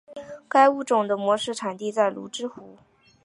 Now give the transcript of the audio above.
该物种的模式产地在芦之湖。